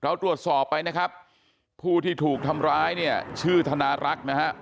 เราตรวจสอบไปนะครับผู้ที่ถูกทำร้ายเนี่ยชื่อธนารักษ์นะฮะ